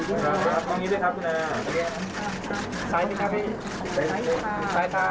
ช้าค่ะเดี๋ยวช้าค่ะ